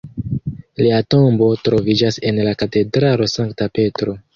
Lia tombo troviĝas en la katedralo Sankta Petro.